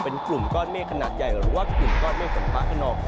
เป็นกลุ่มก้อนเมฆขนาดใหญ่หรือว่ากลุ่มก้อนเมฆฝนฟ้าขนอง